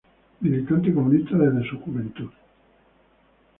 Militante comunista desde su juventud.